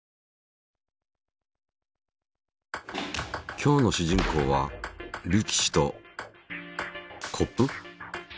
今日の主人公は力士とコップ？